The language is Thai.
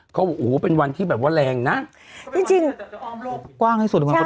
เขาโหเป็นวันที่แบบว่าแรงนะจริงจริงออมโลกกว้างให้สุด